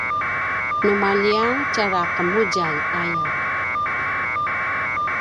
nu maljiya tjara qemudjalj aya